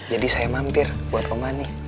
jadi saya mampir buat oma nih